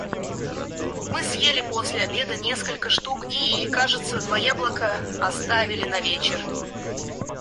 Мы съели после обеда несколько штук и, кажется, два яблока оставили на вечер.